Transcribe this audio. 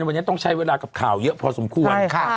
วันนี้ต้องใช้เวลากับข่าวเยอะพอสมควร